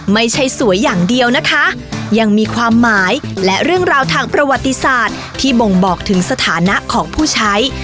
ไม่ใช่สวยอย่างเดียวนะคะยังมีความหมายและเรื่องราวทางประวัติศาสตร์ที่บ่งบอกถึงสถานะของผู้ใช้